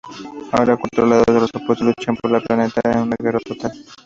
Ahora, cuatro lados opuestos luchan por el planeta en una guerra total.